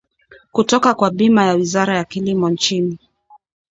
kutoka kwa bima ya wizara ya kilimo nchini